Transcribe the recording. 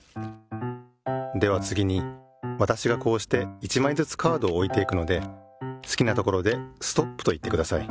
ではつぎにわたしがこうして１まいずつカードをおいていくのですきなところで「ストップ」といってください。